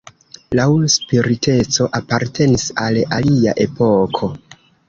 Laŭ spiriteco apartenis al alia epoko.